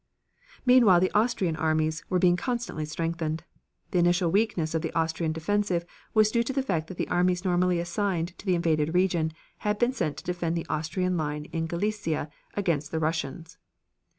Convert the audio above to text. Meanwhile, the Austrian armies were being constantly strengthened. The initial weakness of the Austrian defensive was due to the fact that the armies normally assigned to the invaded region had been sent to defend the Austrian line in Galicia against the Russians.